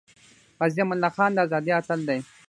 غازی امان الله خان د ازادی اتل دی